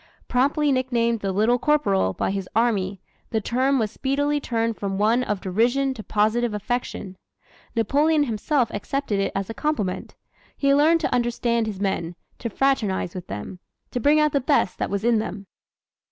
Promptly nicknamed "The Little Corporal" by his army, the term was speedily turned from one of derision to positive affection. Napoleon himself accepted it as a compliment. He learned to understand his men, to fraternize with them, to bring out the best that was in them.